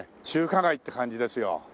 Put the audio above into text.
中華街って感じですよ。